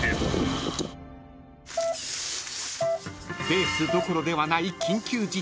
［レースどころではない］